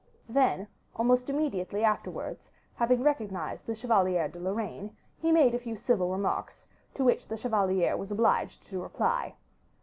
Then, almost immediately afterwards, having recognized the Chevalier de Lorraine, he made a few civil remarks, to which the chevalier was obliged to reply.